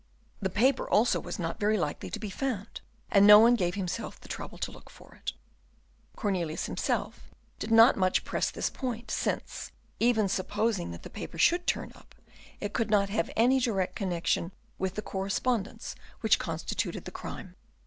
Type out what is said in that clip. The paper also was not very likely to be found, and no one gave himself the trouble to look for it. Cornelius himself did not much press this point, since, even supposing that the paper should turn up, it could not have any direct connection with the correspondence which constituted the crime.